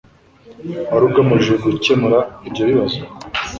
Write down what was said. wari ugamije gukemura ibyo bibazo.